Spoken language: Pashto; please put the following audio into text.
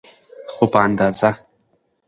خو په اندازه.